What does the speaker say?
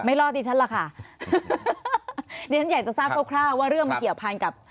รอดดิฉันล่ะค่ะดิฉันอยากจะทราบคร่าวว่าเรื่องมันเกี่ยวพันกับ